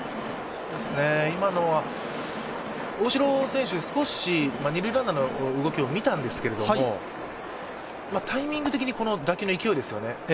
今のは大城選手、少し二塁ランナーの動きを見たんですけどタイミング的にこの打球の勢いですよね。